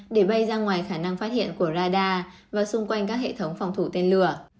để bay ra ngoài khả năng phát hiện của radar và xung quanh các hệ thống phòng thủ tên lửa